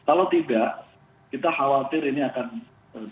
kalau tidak kita khawatir ini akan terjadi